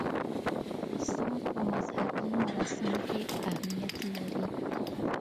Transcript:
پسه په مذهبي مراسمو کې اهمیت لري.